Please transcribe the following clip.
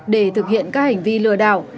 để thực hiện các hành vi lừa đảo